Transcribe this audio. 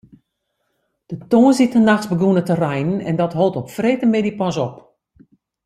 De tongersdeitenachts begûn it te reinen en dat hold op freedtemiddei pas op.